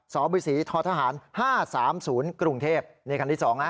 สบศ๕๓๐กรุงเทพฯนี่คันที่๒นะ